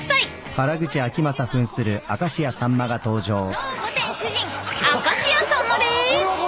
［当御殿主人明石家さんまでーす！］